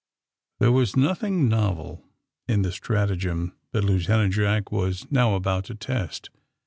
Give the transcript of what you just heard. There was nothing novel in the strategem that Lieutenant Jack was now about to test.